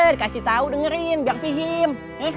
dikasih tau dengerin biar fihim